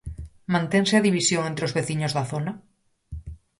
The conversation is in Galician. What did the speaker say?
Mantense a división entre os veciños da zona?